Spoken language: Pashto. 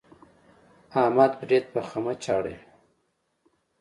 احمد برېت په خمچه اړوي.